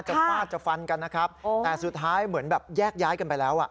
ฟาดจะฟันกันนะครับแต่สุดท้ายเหมือนแบบแยกย้ายกันไปแล้วอ่ะ